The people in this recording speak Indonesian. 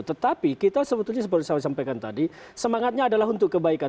tetapi kita sebetulnya seperti saya sampaikan tadi semangatnya adalah untuk kebaikan